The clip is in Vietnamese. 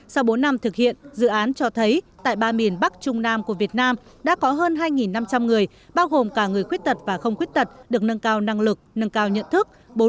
sau bốn năm thực hiện dự án cho thấy tại ba miền bắc trung nam của việt nam đã có hơn hai năm trăm linh người bao gồm cả người khuyết tật và không khuyết tật được nâng cao năng lực nâng cao nhận thức